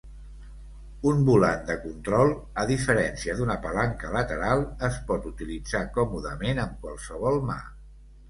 Un volant de control, a diferència d'una palanca lateral, es pot utilitzar còmodament amb qualsevol mà.